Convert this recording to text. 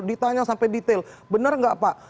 ditanya sampai detail benar nggak pak